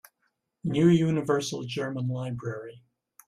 New Universal German Library.